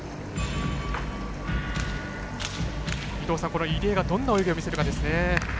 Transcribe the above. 伊藤さん、入江がどんな泳ぎを見せるかですね。